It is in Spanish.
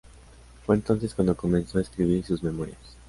Fue entonces cuando comenzó a escribir sus memorias.